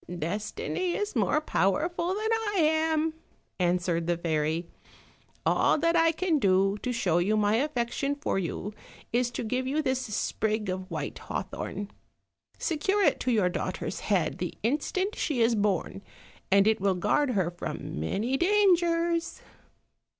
"Destiny is more powerful than I am," answered the fairy; "all that I can do to show my affection for you is to give you this sprig of white hawthorn; secure it to your daughter's head the instant she is born, and it will guard her from many dangers."